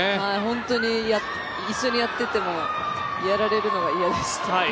本当に一緒にやっていてもやられるのが嫌でした。